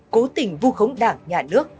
cố tình vù khống đảng nhà nước